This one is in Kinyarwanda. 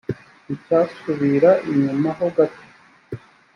nticyasubira inyuma ho gato.